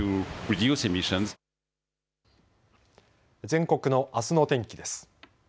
全国のあすの天気です。